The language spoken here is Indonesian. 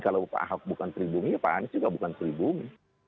kalau pak ahok bukan pribumi pak anies juga bukan pribumi